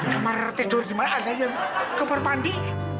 kamar tidur dimana ada yang kembar pandi